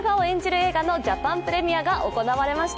映画のジャパンプレミアが行われました。